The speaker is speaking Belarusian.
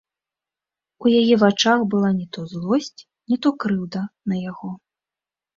У яе вачах была не то злосць, не то крыўда на яго.